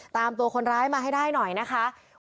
ตามตัวคนร้ายมาให้ได้หน่อยนะคะ